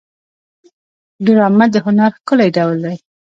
ډرامه د هنر ښکلی ډول دی